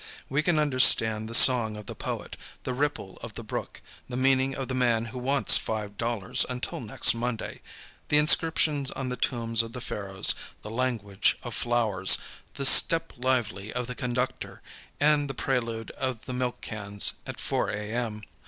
We can understand the song of the poet, the ripple of the brook, the meaning of the man who wants $5 until next Monday, the inscriptions on the tombs of the Pharaohs, the language of flowers, the "step lively" of the conductor, and the prelude of the milk cans at 4 A. M.